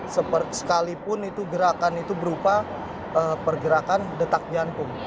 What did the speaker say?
sekalipun itu gerakan itu berupa pergerakan detak jantung